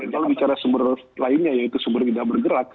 kalau bicara sumber lainnya yaitu sumber tidak bergerak